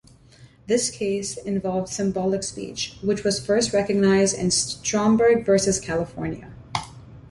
This case involved symbolic speech, which was first recognized in "Stromberg versus California".